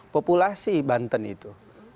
populasi banten itu